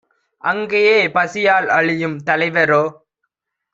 அங்கே பசியால் அழியும் தலைவரோ